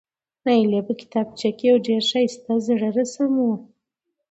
نایلې په کتابچه کې یو ډېر ښایسته زړه رسم و،